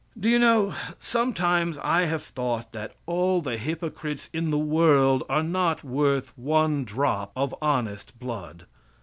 Do you know, sometimes I have thought that all the hypocrites in the world are not worth one drop of honest blood.